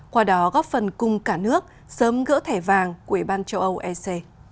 qua đó góp phần cùng cả nước sớm gỡ thẻ vàng của ủy ban châu âu ec